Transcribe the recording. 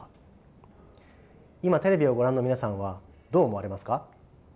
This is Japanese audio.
今テレビをご覧の皆さんはどう思われますか？